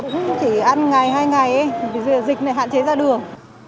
chỉ ăn ngày hai ngày dịch này hạn chế ra đường